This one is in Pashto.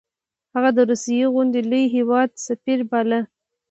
هغه د روسیې غوندې لوی هیواد سفیر باله.